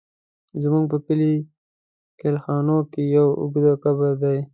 زموږ په کلي کلاخېلو کې يو اوږد قبر و.